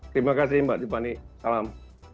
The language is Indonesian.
terima kasih mbak tiffany salam